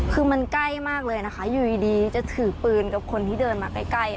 คือมันใกล้มากเลยนะคะอยู่ดีจะถือปืนกับคนที่เดินมาใกล้